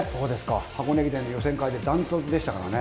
箱根駅伝の予選会で断トツでしたからね。